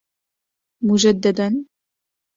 مجددا.